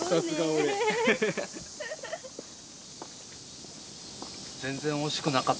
すごいね。